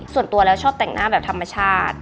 ส่วนตัวแล้วชอบแต่งหน้าแบบธรรมชาติ